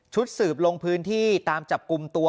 สืบลงพื้นที่ตามจับกลุ่มตัว